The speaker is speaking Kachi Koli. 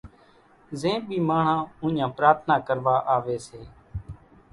زين ٻي ماڻۿان اُوڃان پرارٿنا ڪروا آوي سي